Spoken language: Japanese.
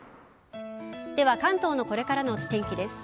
では関東のこれからのお天気です。